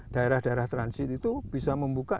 daerah daerah transit itu bisa membuka